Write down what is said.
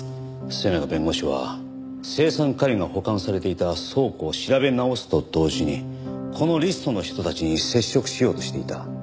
末永弁護士は青酸カリが保管されていた倉庫を調べ直すと同時にこのリストの人たちに接触しようとしていた。